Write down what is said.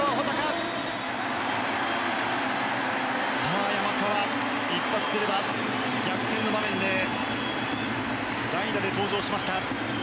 さあ、山川一発出れば逆転の場面で代打で登場しました。